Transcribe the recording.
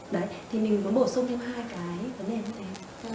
đấy thì mình có bổ sung thêm hai cái vấn đề này